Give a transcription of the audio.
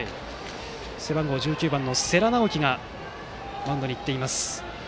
背番号１９番の世良直輝がマウンドに行っています。